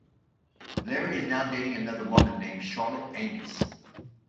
Larry is now dating another woman named Charlotte Angus.